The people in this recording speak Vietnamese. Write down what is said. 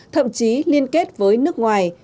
thậm chí liên kết với nước ngoài